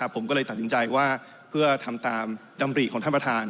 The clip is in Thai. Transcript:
ผมก็เลยตัดสินใจว่าเพื่อทำตามดำริของท่านประธาน